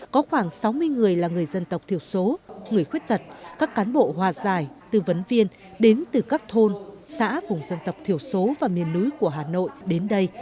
có khoảng sáu mươi người là người dân tộc thiểu số người khuyết tật các cán bộ hòa giải tư vấn viên đến từ các thôn xã vùng dân tộc thiểu số và miền núi của hà nội đến đây